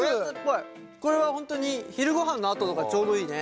これは本当に昼ごはんのあととかちょうどいいね。